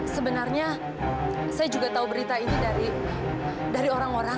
sebenarnya saya juga tahu berita ini dari orang orang